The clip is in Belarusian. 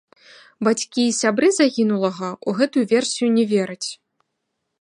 Бацькі і сябры загінулага ў гэтую версію не вераць.